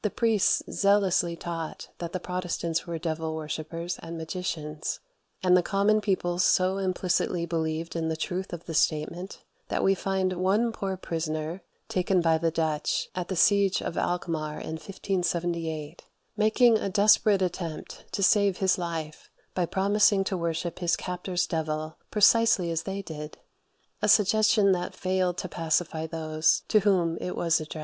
The priests zealously taught that the Protestants were devil worshippers and magicians; and the common people so implicitly believed in the truth of the statement, that we find one poor prisoner, taken by the Dutch at the siege of Alkmaar in 1578, making a desperate attempt to save his life by promising to worship his captors' devil precisely as they did a suggestion that failed to pacify those to whom it was addressed.